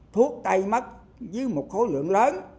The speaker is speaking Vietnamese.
thuốc tay mất dưới một khối lượng lớn